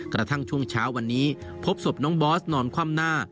กระทั่งช่วงเช้าวันนี้พบศพน้องบอสนอนคว่ำหน้า